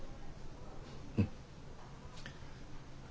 うん。